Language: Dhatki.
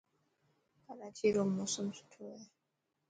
ڪراچي رو موسم سٺو هي.